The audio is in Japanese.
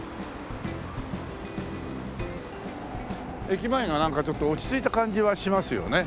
駅前がなんかちょっと落ち着いた感じはしますよね。